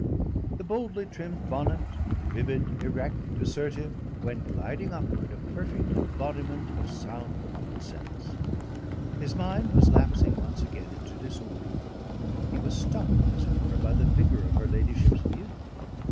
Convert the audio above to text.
The boldly trimmed bonnet, vivid, erect, assertive, went gliding upward, a perfect embodiment of sound common sense. His mind was lapsing once again into disorder; he was stunned, as it were, by the vigour of her ladyship's view.